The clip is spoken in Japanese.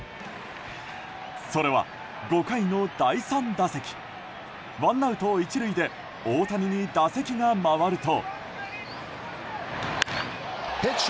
それは、５回の第３打席ワンアウト１塁で大谷に打席が回ると。